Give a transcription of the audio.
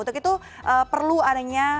untuk itu perlu ada yang bisa menggunakannya